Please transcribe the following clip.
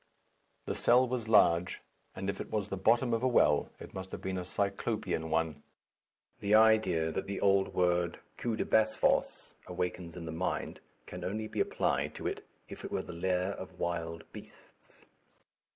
The cell was large, and if it was the bottom of a well, it must have been a cyclopean one. The idea that the old word "cul de basse fosse" awakens in the mind can only be applied to it if it were a lair of wild beasts.